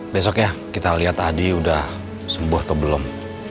besoknya kita lihat adi udah sembuh atau belum